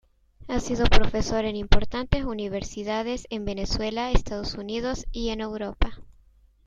Ha sido profesor en importantes universidades en Venezuela, Estados Unidos y en Europa.